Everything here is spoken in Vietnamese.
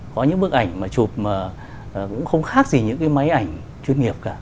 có những bức ảnh mà chụp mà cũng không khác gì những cái máy ảnh chuyên nghiệp cả